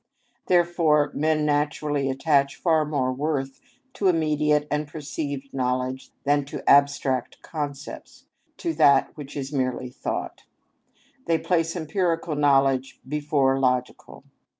Therefore men naturally attach far more worth to immediate and perceived knowledge than to abstract concepts, to that which is merely thought; they place empirical knowledge before logical.